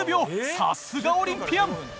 さすがオリンピアン。